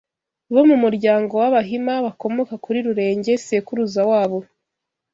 bo mu muryango w’Abahima bakomoka kuri Rurenge sekuruza wabo